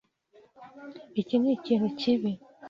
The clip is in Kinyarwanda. Iki nikintu kibi.